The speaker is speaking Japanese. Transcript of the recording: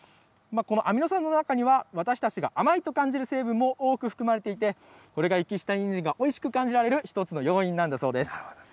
このアミノ酸の中には、私たちが甘いと感じる成分も多く含まれていて、これが雪下にんじんがおいしく感じられる一つの要因なんだそうです。